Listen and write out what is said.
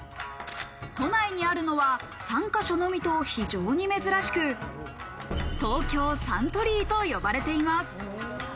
都内にあるのは３か所のみと非常に珍しく、東京三鳥居と呼ばれています。